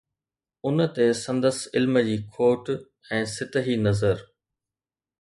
ان تي سندس علم جي کوٽ ۽ سطحي نظر.